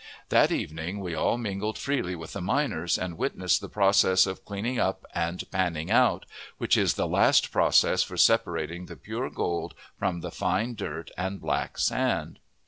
That evening we all mingled freely with the miners, and witnessed the process of cleaning up and "panning" out, which is the last process for separating the pure gold from the fine dirt and black sand.